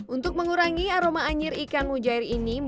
untuk mengurangi aroma anjir ikan mujair ini